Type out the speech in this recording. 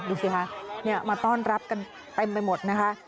ดูสิคะมาต้อนรับกันเต็มไปหมดนะคะ